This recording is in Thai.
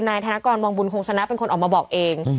ธนกรวังบุญคงชนะเป็นคนออกมาบอกเอง